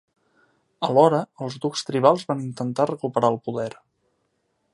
Alhora, els ducs tribals van intentar recuperar el poder.